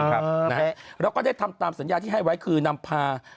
แล้วก็ได้ทำตามสัญญาที่ให้ไว้คือนำพา